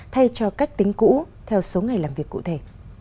thay cho cách tính cũ theo số ngày làm việc cụ thể